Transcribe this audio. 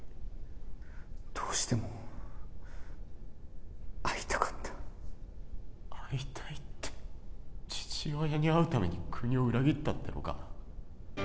どうしても会いたかった会いたいって父親に会うために国を裏切ったっていうのか？